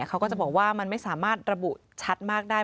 เขาก็จะบอกว่ามันไม่สามารถระบุชัดมากได้